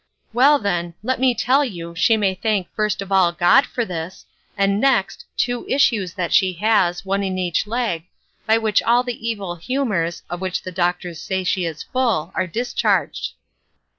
Well then, let me tell you she may thank, first of all God, for this, and next, two issues that she has, one in each leg, by which all the evil humours, of which the doctors say she is full, are discharged."